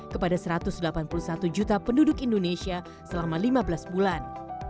kepada satu ratus delapan puluh satu juta penduduk indonesia selama lima belas bulan